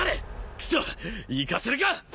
クソッ行かせるか！